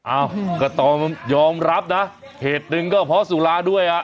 อ้าวก็ต้องยอมรับนะเหตุหนึ่งก็เพราะสุราด้วยอ่ะ